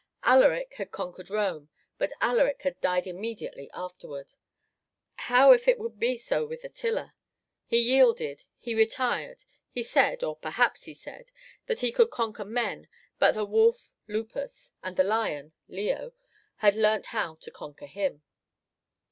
Alaric had conquered Rome, but Alaric had died immediately afterward. How if it would be so with Attila? He yielded, he retired; he said or perhaps he said that he could conquer men, but that the wolf (Lupus) and the lion (Leo) had learnt how to conquer him.